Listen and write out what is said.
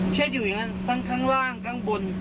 เช็ดอยู่อย่างนั้นทั้งข้างล่างข้างบน